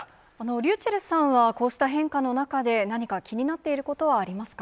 リュウチェルさんは、こうした変化の中で、何か気になっていることはありますか。